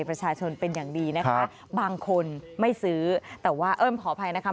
ประชาชนเป็นอย่างดีนะคะบางคนไม่ซื้อแต่ว่าเอิ้มขออภัยนะคะ